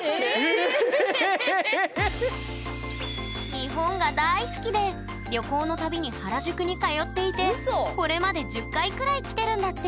日本が大好きで旅行の度に原宿に通っていてこれまで１０回くらい来てるんだって！